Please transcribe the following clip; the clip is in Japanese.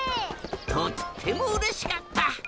とってもうれしかった！